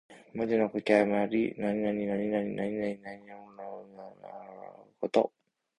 文字の書き誤り。「魯」と「魚」、「亥」と「豕」の字とが、それぞれ字画が似ていて間違えやすいということ。